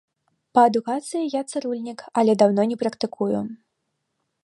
Па адукацыі я цырульнік, але даўно не практыкую.